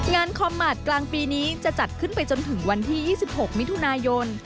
คอมมาตรกลางปีนี้จะจัดขึ้นไปจนถึงวันที่๒๖มิถุนายน